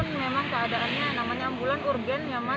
walaupun memang keadaannya namanya ambulans urgen ya mas